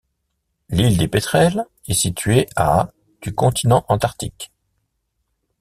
L'île des Pétrels est située à du continent antarctique.